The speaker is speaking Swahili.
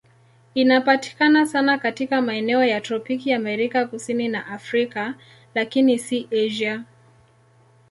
Inapatikana sana katika maeneo ya tropiki Amerika Kusini na Afrika, lakini si Asia.